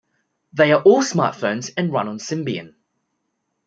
They are all smartphones and run on Symbian.